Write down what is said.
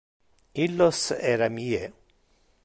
Illos era mie.